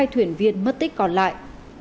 hai thuyền viên mất tích còn lại